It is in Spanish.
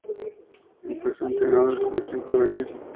Empezó entrenando a la selección juvenil.